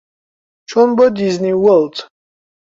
چوون بۆ دیزنی وۆرڵد.